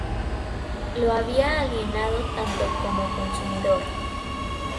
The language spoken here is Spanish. lo había alienado tanto como consumidor